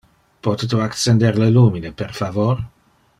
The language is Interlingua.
Pote tu accender le lumine, per favor?